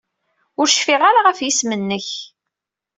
Ur cfiɣ ara ɣef yisem-nnek.